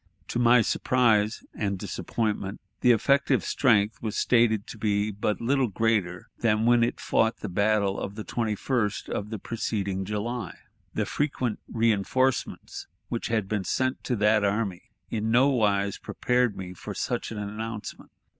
To my surprise and disappointment, the effective strength was stated to be but little greater than when it fought the battle of the 21st of the preceding July. The frequent reënforcements which had been sent to that army in nowise prepared me for such an announcement.